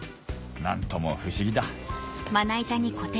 何とも不思議だお。